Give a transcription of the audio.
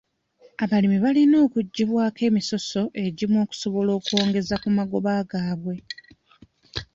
Abalimi balina okuggyibwako emisoso egimu okusobola okwongeza ku magoba gaabwe.